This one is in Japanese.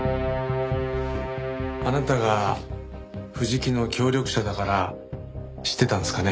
あなたが藤木の協力者だから知ってたんですかね？